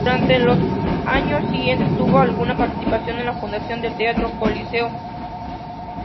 Durante los años siguientes, tuvo alguna participación en la fundación del Teatro Coliseo.